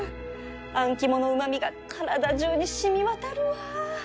あん肝のうま味が体中に染みわたるわ